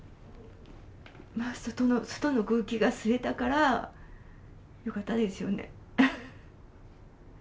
外の空気が吸えたからよかったですよね。